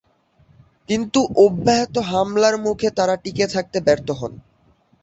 কিন্তু অব্যাহত হামলার মুখে তারা টিকে থাকতে ব্যর্থ হন।